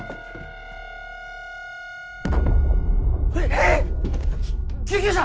えっ⁉救急車！